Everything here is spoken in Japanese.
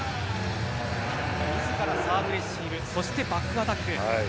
自らサーブレシーブそしてバックアタック。